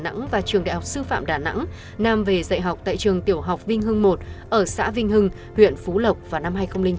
đà nẵng và trường đại học sư phạm đà nẵng nam về dạy học tại trường tiểu học vinh hưng i ở xã vinh hưng huyện phú lộc vào năm hai nghìn chín